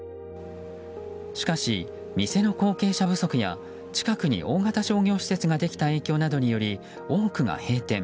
しかし、店の後継者不足や近くに大型商業施設ができた影響などにより多くが閉店。